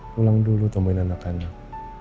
pulang dulu tomain anak anak